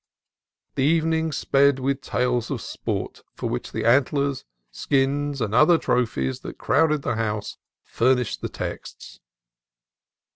The evening sped with tales of sport, for which the antlers, skins, and other trophies that crowded the house furnished the texts.